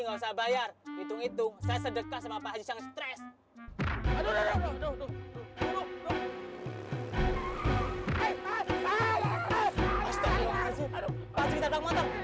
bisa bayar itu itu sedekah sama faham stress aduh aduh aduh aduh aduh aduh aduh